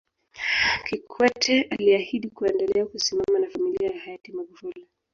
Kikwete aliahidi kuendelea kusimama na familia ya Hayati Magufuli